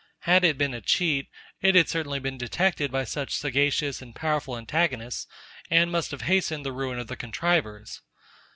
Had it been a cheat, it had certainly been detected by such sagacious and powerful antagonists, and must have hastened the ruin of the contrivers.